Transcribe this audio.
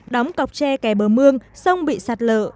đóng cọc tre kè bờ mương sông bị sạt lở